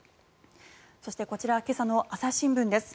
そしてこちら今朝の朝日新聞です。